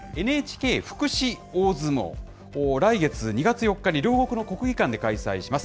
ＮＨＫ福祉大相撲を来月２月４日に両国の国技館で開催します。